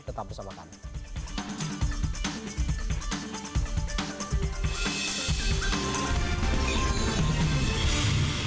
tetap bersama kami